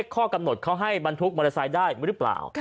ข้อกำหนดเขาให้บรรทุกมอเตอร์ไซค์ได้หรือเปล่า